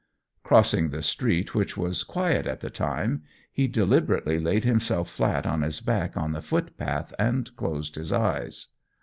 Crossing the street, which was quiet at the time, he deliberately laid himself flat on his back on the footpath, and closed his eyes.